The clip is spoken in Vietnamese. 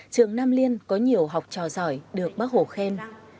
trường nam liên có nhiều học trò giỏi được bác hồ khen